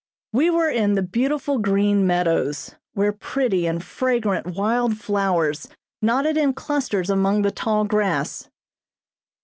We were in the beautiful green "Meadows" where pretty and fragrant wild flowers nodded in clusters among the tall grass.